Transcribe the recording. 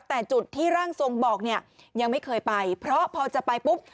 แต่จุดที่ร่างทรงบอกเนี่ยยังไม่เคยไปเพราะพอจะไปปุ๊บ